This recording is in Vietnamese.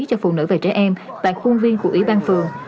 cho phụ nữ và trẻ em tại khuôn viên của ủy ban phường